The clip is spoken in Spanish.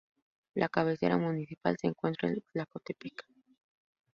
La cabecera municipal se encuentra en Tlacotepec.